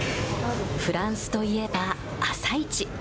フランスといえば朝市。